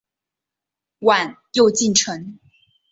晚又进城。